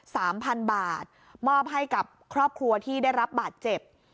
สามพันบาทมอบให้กับครอบครัวที่ได้รับบาดเจ็บ